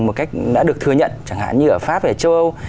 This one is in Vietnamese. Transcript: một cách đã được thừa nhận chẳng hạn như ở pháp hay châu âu